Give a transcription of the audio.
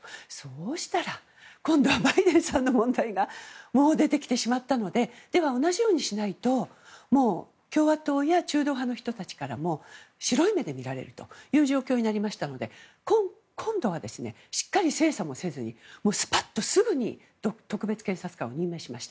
そうしたら、今度はバイデンさんの問題が出てきてしまったのででは、同じようにしないと共和党や中道派の人たちからも白い目で見られるという状況になりましたので今度はしっかり精査もせずにスパっとすぐに特別検察官を任命しました。